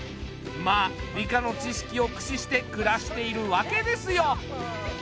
まあ理科の知識を駆使して暮らしているわけですよ。